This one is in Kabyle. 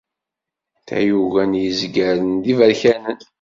Tayuga n yizgaren d iberkanen.